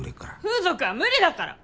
風俗は無理だから！